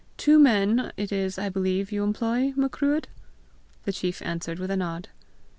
Two men, it is, I believe, you employ, Macruadh?" The chief answered with a nod.